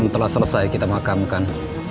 setelah selesai kita mengakamkan